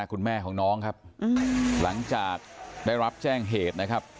คุณแม่ของน้องครับหลังจากได้รับแจ้งเหตุนะครับ